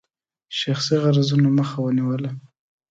شخصي غرضونو مخه ونیوله.